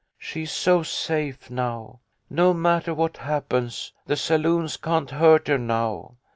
She's so safe, now. No matter what happens, the saloons can't hurt her, now.